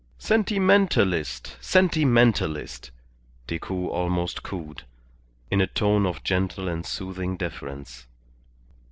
"Sentimentalist, sentimentalist," Decoud almost cooed, in a tone of gentle and soothing deference.